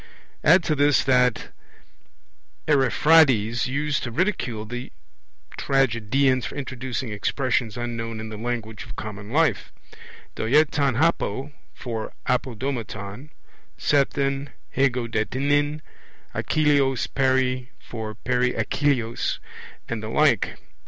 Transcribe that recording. Add to this that Ariphrades used to ridicule the tragedians for introducing expressions unknown in the language of common life, doeaton hapo (for apo domaton), sethen, hego de nin, Achilleos peri (for peri Achilleos), and the like.